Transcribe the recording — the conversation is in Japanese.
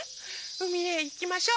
うみへいきましょ。